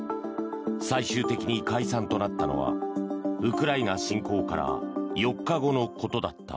最終的に解散となったのはウクライナ侵攻から４日後のことだった。